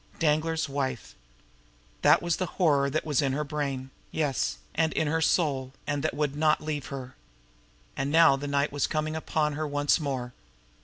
Danglar's wife! That was the horror that was in her brain, yes, and in her soul, and that would not leave her. And now night was coming upon her once more.